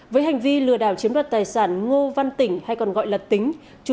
với hành vi lừa đảo chiếm đoạt tài sản ngô văn tỉnh hay còn gọi là tính